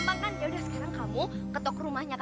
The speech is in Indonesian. berani beraninya melarang aku